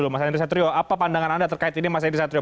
mas henry satrio apa pandangan anda terkait ini mas henr satrio